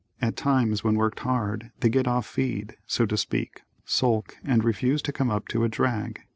At times when worked hard, they get off feed, so to speak, sulk and refuse to come up to a drag.